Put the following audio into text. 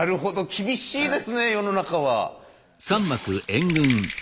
厳しいですね世の中は。